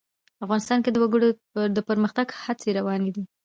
افغانستان کې د وګړي د پرمختګ هڅې روانې دي.